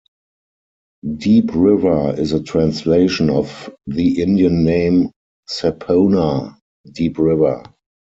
Deep River is a translation of the Indian name "sapponah", "deep river".